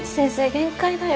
限界だよ。